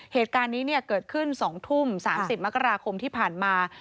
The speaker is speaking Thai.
เหตุการณ์นี้เกิดขึ้น๒ทุ่ม๓๐มกราคมที่ผ่านมา